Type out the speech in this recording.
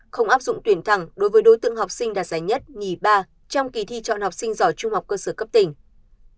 không áp dụng tuyển thẳng đối với đối tượng học sinh đạt giải nhất nhì ba trong kỳ thi chọn học sinh giỏi trung học cơ sở cấp tỉnh